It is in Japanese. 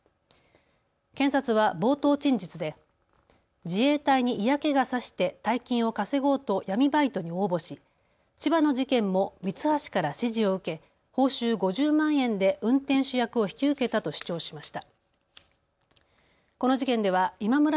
検察は冒頭陳述で自衛隊に嫌気がさして大金を稼ごうと闇バイトに応募し、千葉の事件もミツハシから指示を受け報酬５０万円で運転手役を引き受けたと主張しました。